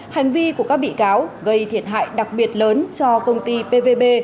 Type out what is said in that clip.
hành vi của các bị cáo gây thiệt hại đặc biệt lớn cho công ty pvb